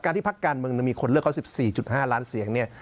ที่พักการเมืองมีคนเลือกเขา๑๔๕ล้านเสียงเนี่ย